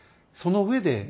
その上で。